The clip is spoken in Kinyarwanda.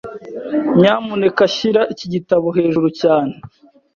Nyamuneka shyira iki gitabo hejuru cyane.